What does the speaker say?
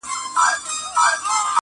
پلی درومي او په مخ کي یې ګوډ خر دی!!